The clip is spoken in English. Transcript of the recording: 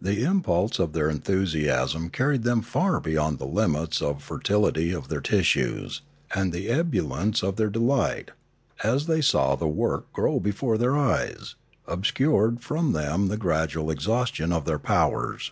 The impulse of their enthusiasm carried them far beyond the limits of fer tility of their tissues, and the ebullience of their delight, as they saw the work grow before their eyes, obscured from them the gradual exhaustion of their powers.